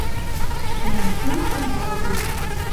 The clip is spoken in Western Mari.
Тӹнӓмшен шыжгалтеш.